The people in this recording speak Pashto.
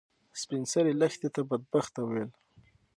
سپین سرې لښتې ته بدبخته وویل.